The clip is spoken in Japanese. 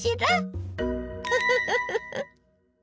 フフフフフ！